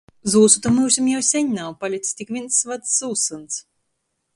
Zūsu to myusim jau seņ nav — palics tik vīns vacs zūsyns.